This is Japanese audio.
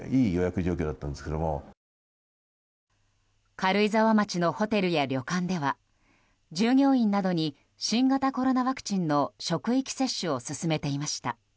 軽井沢町のホテルや旅館では従業員などに新型コロナワクチンの職域接種を進めていました。